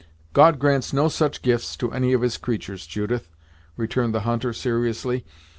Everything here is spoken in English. "God grants no such gifts to any of his creatur's, Judith," returned the hunter, seriously.